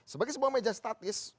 sebagai sebuah meja statis